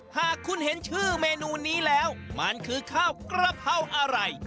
หากคุณเห็นชื่อเมนูนี้แล้วมันคือข้าวกระเพราอะไร